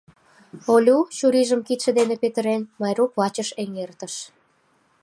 Олю, чурийжым кидше дене петырен, Майрук вачыш эҥертыш.